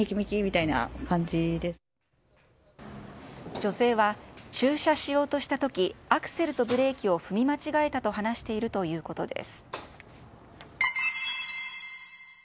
女性は駐車しようとした時アクセルとブレーキを踏み間違えたと話しているということです。